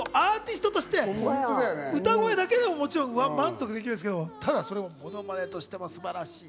アーティストとして歌声だけでももちろん満足できるんですけど、ものまねとしても素晴らしい。